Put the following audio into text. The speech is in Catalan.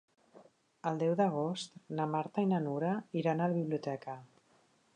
El deu d'agost na Marta i na Nura iran a la biblioteca.